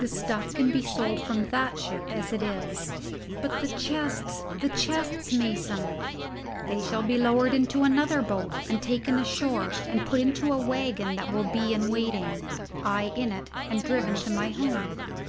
The stuff can be sold from that ship as it is " "But the chests the chests, Mason!" "They shall be lowered into another boat, and taken ashore and put into a waggon that will be in waiting I in it and driven to my home."